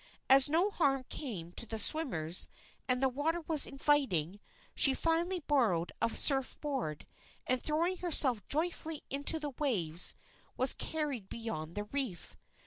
As no harm came to the swimmers, and the water was inviting, she finally borrowed a surf board, and, throwing herself joyfully into the waves, was carried beyond the reef.